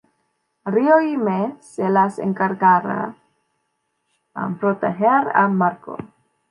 Rio y Mei se las encargará proteger a Mako.